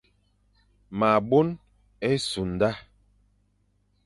Ma bôn-e-simda,